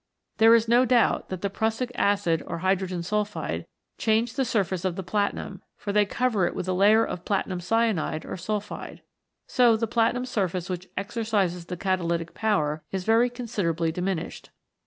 There is no doubt that prussic acid or hydrogen sulphide change the surface of the platinum, for they cover it with a layer of platinum cyanide or sulphide. So the platinum surface which exercises the catalytic power is very considerably diminished.